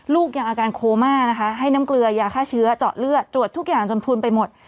ลูกยังอาการโคม่านะคะให้น้ำเกลือยาฆ่าเชื้อเจาะเลือดตรวจทุกอย่างจนพูนไปหมด